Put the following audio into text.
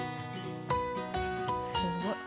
すごい。